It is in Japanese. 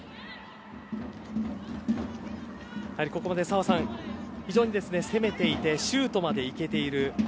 澤さん、非常に攻めていてシュートまでいけている。